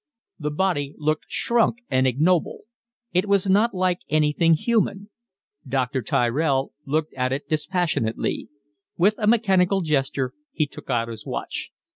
The body looked shrunk and ignoble. It was not like anything human. Dr. Tyrell looked at it dispassionately. With a mechanical gesture he took out his watch.